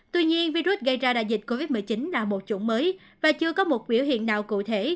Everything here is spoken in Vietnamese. tuy nhiên virus gây ra đại dịch covid một mươi chín là một chủng mới và chưa có một biểu hiện nào cụ thể